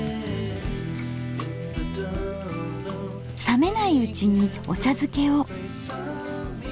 冷めないうちにお茶づけを。